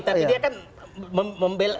tapi dia kan membel